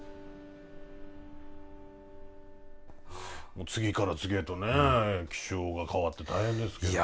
もう次から次へとね気象が変わって大変ですけどね。